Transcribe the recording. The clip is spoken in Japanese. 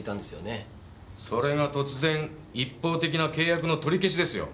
それが突然一方的な契約の取り消しですよ。